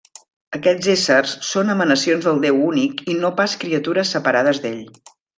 Aquests éssers són emanacions del Déu únic i no pas criatures separades d'ell.